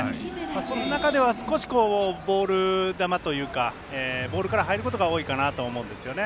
その中では少しボール球というかボールから入ることが多いかなと思うんですよね。